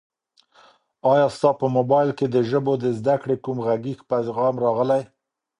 ایا ستا په موبایل کي د ژبو د زده کړې کوم غږیز پیغام راغلی؟